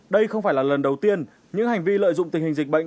đây không phải là lần đầu tiên những hành vi lợi dụng tình hình dịch bệnh